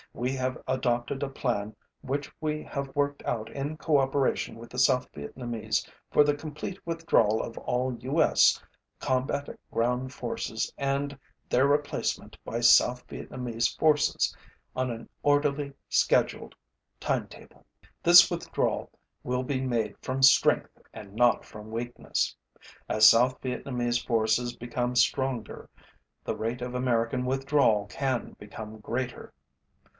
We have adopted a plan which we have worked out in cooperation with the South Vietnamese for the complete withdrawal of all U.S. combat ground forces and their replacement by South Vietnamese forces on an orderly scheduled timetable. This withdrawal will be made from strength and not from weakness. As South Vietnamese forces become stronger, the rate of American withdrawal can become greater.